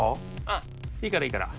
うんいいからいいから。